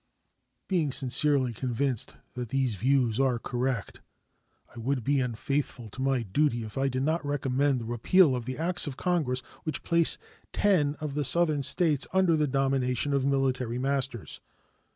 Being sincerely convinced that these views are correct, I would be unfaithful to my duty if I did not recommend the repeal of the acts of Congress which place ten of the Southern States under the domination of military masters.